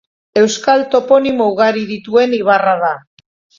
Euskal toponimo ugari dituen ibarra da.